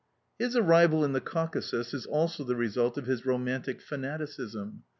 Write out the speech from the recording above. His arrival in the Caucasus is also the result of his romantic fanaticism.